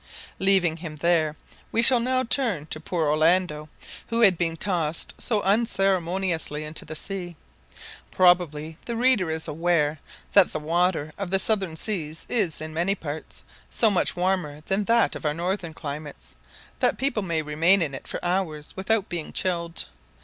Leaving him there, we shall turn now to poor Orlando, who had been tossed so unceremoniously into the sea. Probably the reader is aware that the water of the southern seas is, in many parts, so much warmer than that of our northern climes, that people may remain in it for hours without being chilled.